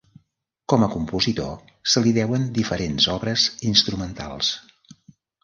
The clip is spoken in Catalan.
Com a compositor se li deuen diferents obres instrumentals.